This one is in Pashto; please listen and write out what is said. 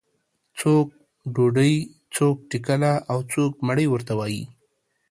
څوک ډوډۍ، څوک ټکله او څوک مړۍ ورته وایي.